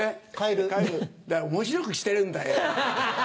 だから面白くしてるんだよ。